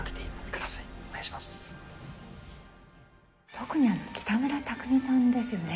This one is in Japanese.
特に北村匠海さんですよね。